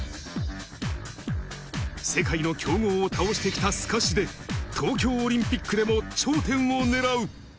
世界の強豪を倒してきたすかしで、東京オリンピックでも頂点を狙う。